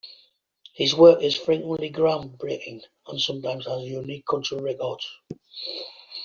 His work is frequently groundbreaking and sometimes has unique cultural records.